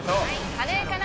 カレーかな？